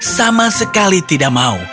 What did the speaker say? sama sekali tidak mau